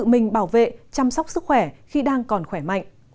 tự mình bảo vệ chăm sóc sức khỏe khi đang còn khỏe mạnh